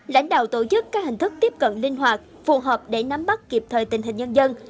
lãnh đạo tổ chức các hình thức tiếp cận linh hoạt phù hợp để nắm bắt kịp thời tình hình nhân dân